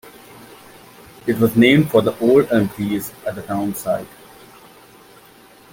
It was named for the old elm trees at the town site.